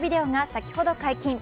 先ほど解禁。